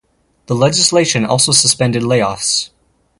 The legislation also suspended layoffs.